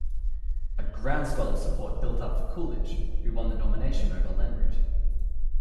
A groundswell of support built up for Coolidge, who won the nomination over Lenroot.